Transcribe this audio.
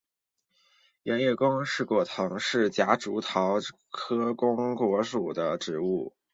圆叶弓果藤是夹竹桃科弓果藤属的植物。